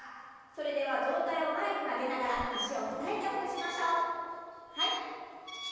それでは上体を前に曲げながら脚をたたいてほぐしましょう。